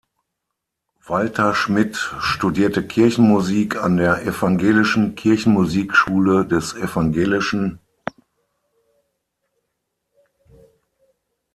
Walther Schmidt studierte Kirchenmusik an der evangelischen Kirchenmusikschule des Ev.